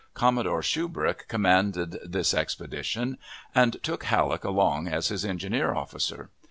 Commodore Shubrick commanded this expedition, and took Halleck along as his engineer officer.